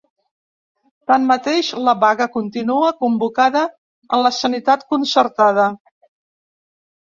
Tanmateix, la vaga continua convocada en la sanitat concertada.